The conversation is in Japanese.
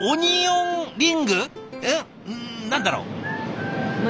何だろう。